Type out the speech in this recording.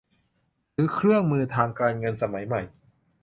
หรือเครื่องมือทางการเงินสมัยใหม่